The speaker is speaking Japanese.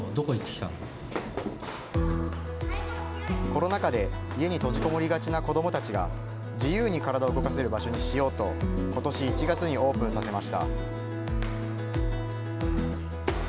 コロナ禍で家に閉じこもりがちな子どもたちが自由に体を動かせる場所にしようとことし１月にオープンさせました。